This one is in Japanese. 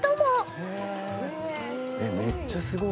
えっめっちゃすごい。